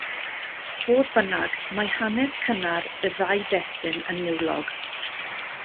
Fodd bynnag, mae hanes cynnar y ddau destun yn niwlog.